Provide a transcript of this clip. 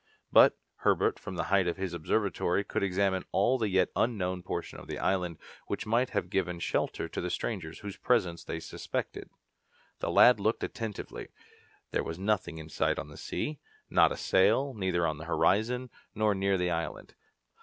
But Herbert, from the height of his observatory, could examine all the yet unknown portion of the island which might have given shelter to the strangers whose presence they suspected. The lad looked attentively. There was nothing in sight on the sea, not a sail, neither on the horizon nor near the island.